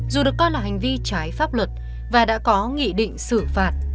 dù được coi là hành vi trái pháp luật và đã có nghị định xử phạt